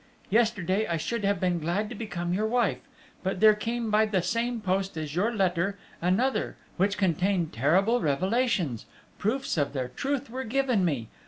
Yesterday, I should have been glad to become your wife; but there came by the same post as your letter, another, which contained terrible revelations, proofs of their truth were given me!...